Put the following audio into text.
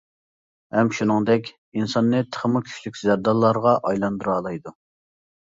ھەم شۇنىڭدەك ئىنساننى تېخىمۇ كۈچلۈك زەردارلارغا ئايلاندۇرالايدۇ.